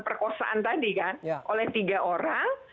perkosaan tadi kan oleh tiga orang